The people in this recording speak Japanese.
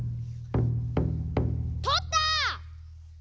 とった！